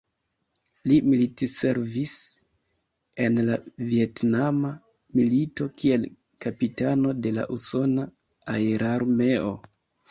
Li militservis en la Vjetnama milito kiel kapitano de la usona aerarmeo.